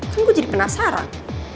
kan gue jadi penasaran